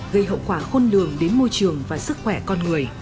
gây hậu quả khôn lường đến môi trường và sức khỏe con người